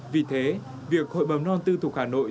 vì thế việc hội bầm non tư thục hà nội